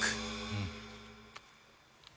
うん！